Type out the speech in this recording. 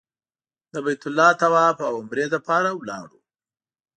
د بیت الله طواف او عمرې لپاره لاړو.